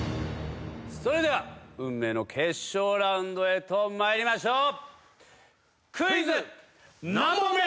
それでは運命の決勝ラウンドへと参りましょう。